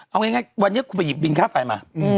เอาง่ายวันนี้คุณไปหยิบบินค่าไฟมา